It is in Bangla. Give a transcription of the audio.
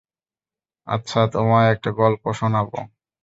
আচ্ছা, তোমায় একটা গল্প শোনাব।